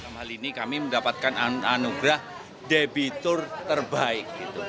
hal ini kami mendapatkan anugerah debitur terbaik